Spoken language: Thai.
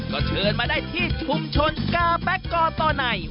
ก็เชิญมาได้ที่ชุมชนกาแป๊กกตไน